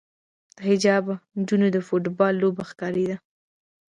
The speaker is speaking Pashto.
د بې حجابه نجونو د فوټبال لوبه ښکارېده.